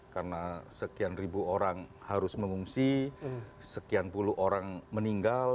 karena sekian ribu orang harus mengungsi sekian puluh orang meninggal